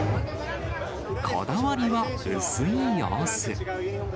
こだわりは薄い様子。